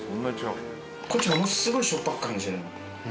こっちものすごいしょっぱく感じる。